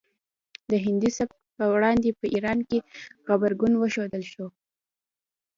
د هندي سبک په وړاندې په ایران کې غبرګون وښودل شو